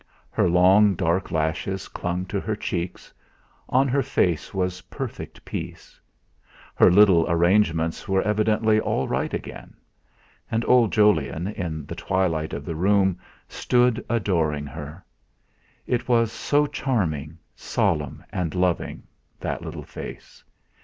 Her long dark lashes clung to her cheeks; on her face was perfect peace her little arrangements were evidently all right again. And old Jolyon, in the twilight of the room, stood adoring her! It was so charming, solemn, and loving that little face.